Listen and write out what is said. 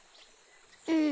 うん。